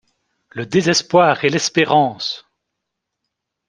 Le désespoir et l’espérance!